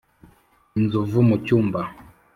inzovu mucyumba